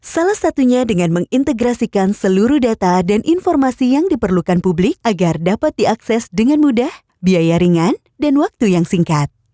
salah satunya dengan mengintegrasikan seluruh data dan informasi yang diperlukan publik agar dapat diakses dengan mudah biaya ringan dan waktu yang singkat